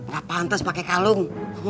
gak pantas pake kalung